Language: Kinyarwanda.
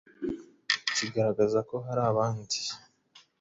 kigaragaza ko hari abandi